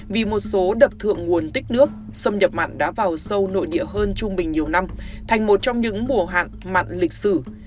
vì một số đập thượng nguồn tích nước xâm nhập mặn đã vào sâu nội địa hơn trung bình nhiều năm thành một trong những mùa hạn mặn lịch sử